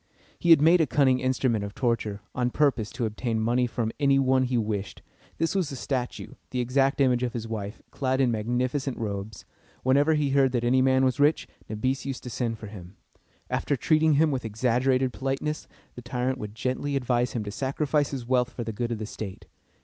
He had made a cunning instrument of torture, on purpose to obtain money from any one he wished. This was a statue, the exact image of his wife, clad in magnificent robes. Whenever he heard that any man was very rich, Nabis used to send for him. After treating him with exaggerated politeness, the tyrant would gently advise him to sacrifice his wealth for the good of the state.